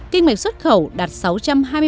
kinh mạch xuất khẩu đạt sáu trăm hai mươi ba tỷ usd